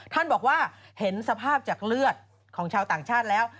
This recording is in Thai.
ท่านบอกว่าเห็นสภาพจากเลือดของชาวต่างชาติแล้ว